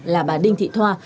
là bà đinh thị thoa